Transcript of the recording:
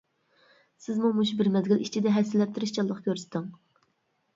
سىزمۇ مۇشۇ بىر مەزگىل ئىچىدە ھەسسىلەپ تىرىشچانلىق كۆرسىتىڭ.